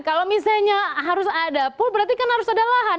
kalau misalnya harus ada pul berarti kan harus ada lahan